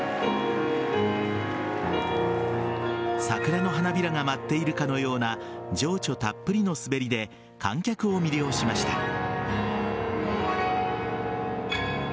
桜の花びらが舞っているかのような情緒たっぷりの滑りで観客を魅了しました。